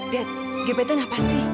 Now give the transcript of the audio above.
dad gebetan apa sih